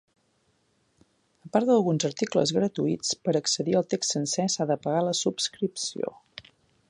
A part d'alguns articles gratuïts, per accedir al text sencer s'ha de pagar la subscripció.